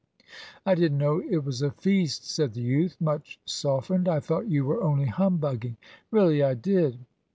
"I didn't know it was a feast," said the youth, much softened. "I thought you were only humbugging; really I did."